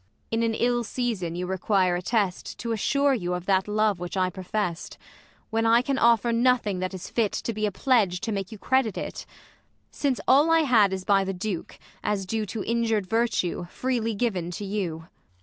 Ang. In an ill season you require a test, T'assure you of that love which I profest ; When I can offer nothing that is fit, To be a pledge to make you credit it ; Since all I had is by the Duke, as due To injur'd virtue, freely given to you.